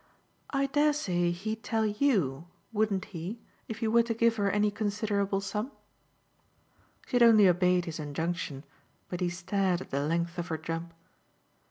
"I dare say he'd tell YOU wouldn't he? if he were to give her any considerable sum." She had only obeyed his injunction, but he stared at the length of her jump.